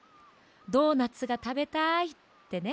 「ドーナツがたべたい」ってね。